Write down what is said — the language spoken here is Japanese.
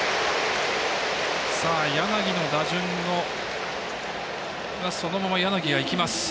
柳の打順、そのまま柳がいきます。